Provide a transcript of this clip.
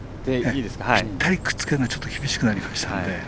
ぴったりくっつけるのはちょっと厳しくなったので。